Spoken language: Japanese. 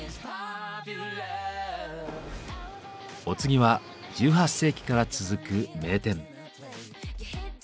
お次は１８世紀から続く名店。